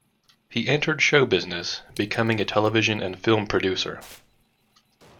He entered show business, becoming a television and film producer.